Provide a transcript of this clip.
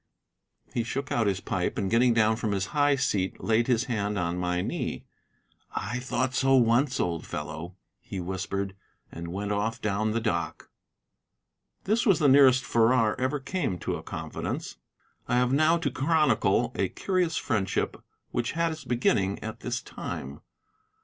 He shook out his pipe, and getting down from his high seat laid his hand on my knee. "I thought so once, old fellow," he whispered, and went off down the dock. This was the nearest Farrar ever came to a confidence. I have now to chronicle a curious friendship which had its beginning at this time.